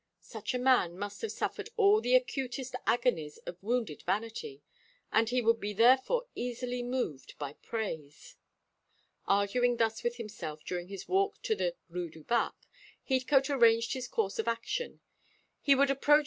Such a man must have suffered all the acutest agonies of wounded vanity, and he would be therefore easily moved by praise. Arguing thus with himself during his walk to the Rue du Bac, Heathcote arranged his course of action. He would approach M.